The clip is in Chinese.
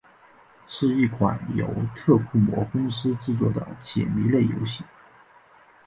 是一款由特库摩公司制作的解谜类游戏。